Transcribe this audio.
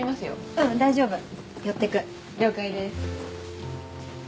うん大丈夫寄ってく了解です